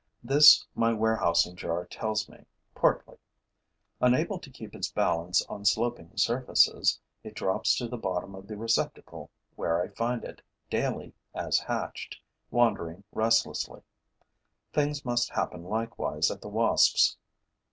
This my warehousing jar tells me, partly. Unable to keep its balance on sloping surfaces, it drops to the bottom of the receptacle, where I find it, daily, as hatched, wandering restlessly. Things must happen likewise at the wasps'.